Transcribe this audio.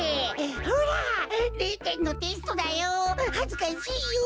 ほら０てんのテストだよ。